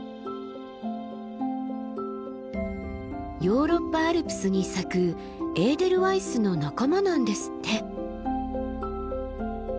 ヨーロッパアルプスに咲くエーデルワイスの仲間なんですって。